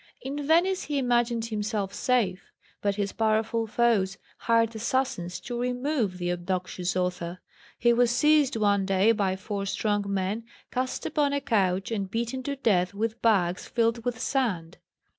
In Venice he imagined himself safe; but his powerful foes hired assassins to "remove" the obnoxious author. He was seized one day by four strong men, cast upon a couch, and beaten to death with bags filled with sand.